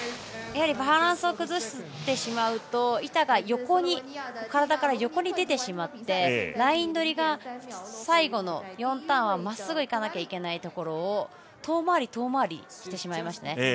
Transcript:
バランスを崩してしまうと板が体から横に出てしまってライン取りが最後の４ターンはまっすぐに行かなきゃいけないところを遠回り、遠回りしてしまいました。